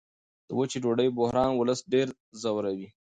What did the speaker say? د وچې ډوډۍ بحران ولس ډېر ځوروي.